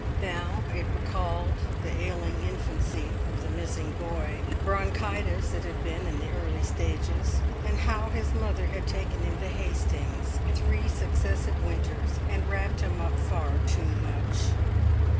Now it recalled the ailing infancy of the missing boy—bronchitis it had been in the early stages—and how his mother had taken him to Hastings three successive winters, and wrapped him up far too much.